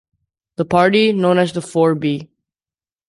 The party, known as the Four B.